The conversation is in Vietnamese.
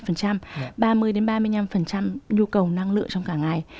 nhu cầu năng lượng trong cả ngày